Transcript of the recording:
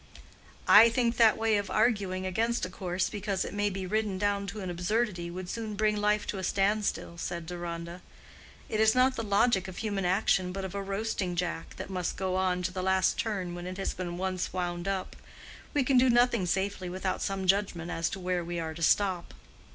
"I think that way of arguing against a course because it may be ridden down to an absurdity would soon bring life to a standstill," said Deronda. "It is not the logic of human action, but of a roasting jack, that must go on to the last turn when it has been once wound up. We can do nothing safely without some judgment as to where we are to stop."